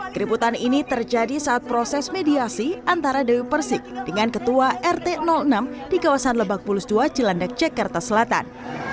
keributan ini terjadi saat proses mediasi antara dewi persik dengan ketua rt enam di kawasan lebak bulus dua cilandak jakarta selatan